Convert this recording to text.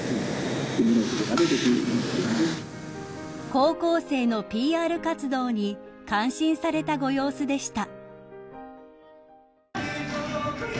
［高校生のＰＲ活動に感心されたご様子でした］